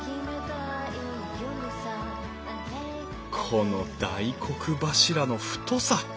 この大黒柱の太さ。